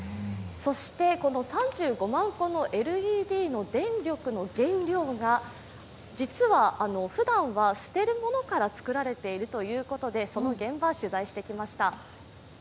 そして、３５万個のＬＥＤの電力の原料が実は、ふだんは捨てるものから作られているということでその現場を取材してきました。